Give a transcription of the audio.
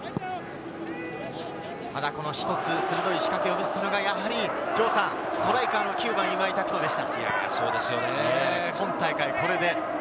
ただ、一つ鋭い仕掛けを見せたのが、やはりストライカーの９番・今井拓人でした。